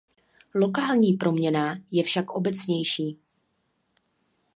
Lokální proměnná je však obecnější.